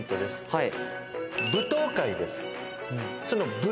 はい。